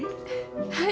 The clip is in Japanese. はい。